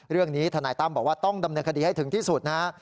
ทนายตั้มบอกว่าต้องดำเนินคดีให้ถึงที่สุดนะฮะ